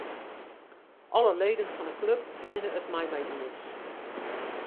Alle leden fan 'e klup wiene it mei my iens.